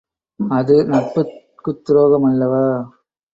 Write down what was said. அது நட்புக்குத்துரோகம் அல்லவா?